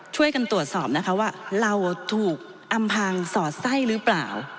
ช่วยกันตรวจสอบนะคะว่าเราถูกอำพังสอดไส้หรือเปล่า